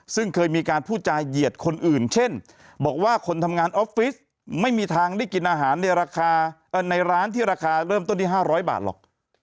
ซึ่งเคยมีการพูดจาเหยียดคนอื่นเช่นบอกว่าคนทำงานออฟฟิศไม่มีทางได้กินอาหารในราคาในร้านที่ราคาเริ่มต้นที่๕๐๐บาทหรอก